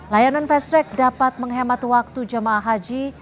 layanan fast track dapat menghemat waktu jemaah haji